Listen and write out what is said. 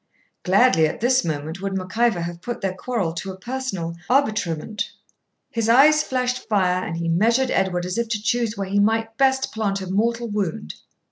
Gladly at this moment would Mac Ivor have put their quarrel to a personal arbitrement, his eye flashed fire, and he measured Edward as if to choose where he might best plant a mortal wound.